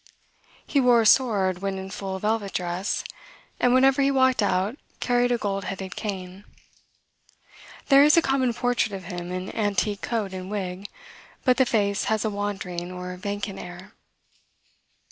He wore a sword when in full velvet dress, and, whenever he walked out, carried a gold headed cane. There is a common portrait of him in antique coat and wig, but the face has a wandering or vacant air.